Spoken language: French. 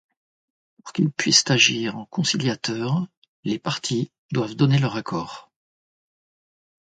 Pour qu'ils puissent agir en conciliateurs, les parties doivent donner leur accord.